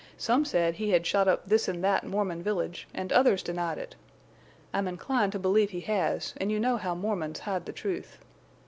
Some said he had shot up this and that Mormon village, and others denied it. I'm inclined to believe he has, and you know how Mormons hide the truth.